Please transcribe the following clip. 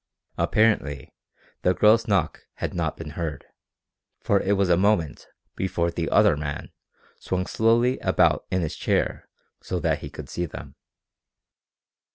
Apparently the girl's knock had not been heard, for it was a moment before the other man swung slowly about in his chair so that he could see them.